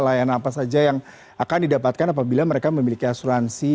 layanan apa saja yang akan didapatkan apabila mereka memiliki asuransi